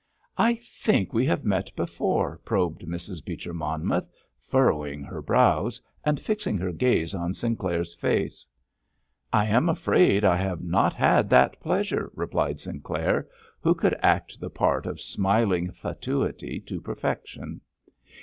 "I think we have met before," probed Mrs. Beecher Monmouth, furrowing her brows, and fixing her gaze on Sinclair's face. "I am afraid I have not had that pleasure," replied Sinclair, who could act the part of smiling fatuity to perfection.